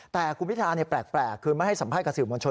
แต่คุณพิธาแปลกคือไม่ให้สัมภาษณ์กับสื่อมวลชน